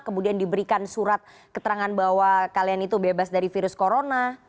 kemudian diberikan surat keterangan bahwa kalian itu bebas dari virus corona